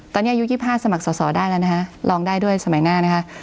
ตอนนี้อายุ๒๕สมัครสอสอได้แล้วนะคะลองได้ด้วยสมัยหน้านะคะ